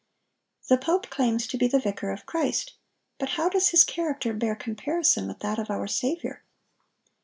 The pope claims to be the vicar of Christ; but how does his character bear comparison with that of our Saviour?